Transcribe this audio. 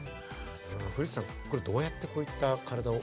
古内さん、どうやってこういった体を？